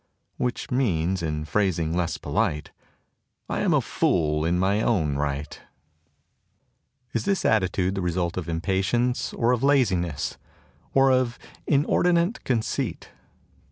Which means, in phrasing less polite: in a Fool in my own Right." 17 THE TOCSIN OF REVOLT Is this attitude the result of impatience, or of laziness, or of inordinate conceit?